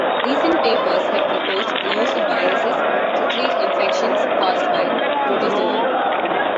Recent papers have proposed the use of viruses to treat infections caused by protozoa.